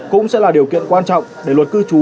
cũng sẽ là điều kiện quan trọng để luật cư trú